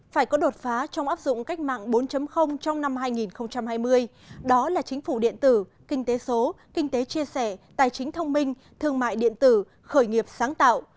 phải có đột phá trong áp dụng cách mạng bốn trong năm hai nghìn hai mươi đó là chính phủ điện tử kinh tế số kinh tế chia sẻ tài chính thông minh thương mại điện tử khởi nghiệp sáng tạo